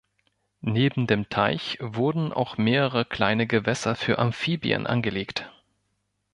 Neben dem Teich wurden auch mehrere kleine Gewässer für Amphibien angelegt.